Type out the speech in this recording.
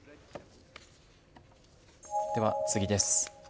では次です。